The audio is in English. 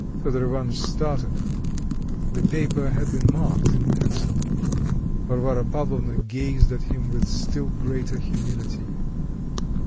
Fedor Ivanitch started; the paper had been marked in pencil. Varvara Pavlovna gazed at him with still greater humility.